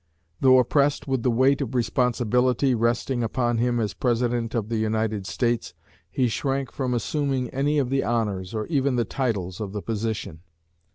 Though oppressed with the weight of responsibility resting upon him as President of the United States, he shrank from assuming any of the honors, or even the titles, of the position.